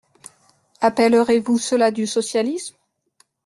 Appellerez-vous cela du socialisme ?